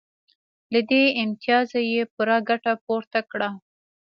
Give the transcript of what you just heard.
له دې امتیازه یې پوره ګټه پورته کړه